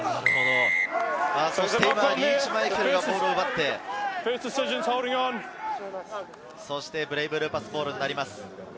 今、リーチ・マイケルがボールを奪って、ブレイブルーパスボールになります。